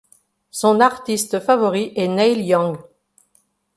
Son artiste favori est Neil Young.